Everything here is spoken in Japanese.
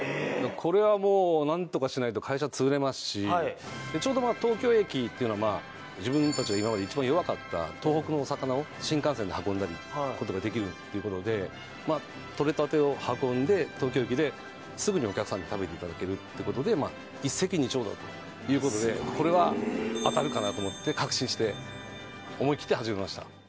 これはもう何とかしないと会社潰れますしちょうどまあ東京駅っていうのは自分達が今まで一番弱かった東北のお魚を新幹線で運んだりことができるっていうことで獲れたてを運んで東京駅ですぐにお客さんに食べていただけるってことで一石二鳥だということですごいねこれは当たるかなと思って確信して思い切って始めました